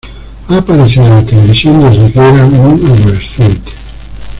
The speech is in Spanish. Ha aparecido en la televisión desde que era un adolescente.